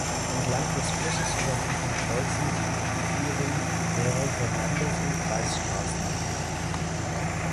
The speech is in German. Entlang des Flusses oder diesen kreuzend führen mehrere Landes- und Kreisstraßen.